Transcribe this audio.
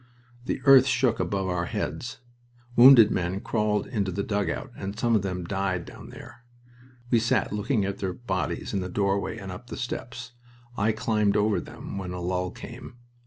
The earth shook above our heads. Wounded men crawled into the dugout, and some of them died down there. We sat looking at their bodies in the doorway and up the steps. I climbed over them when a lull came.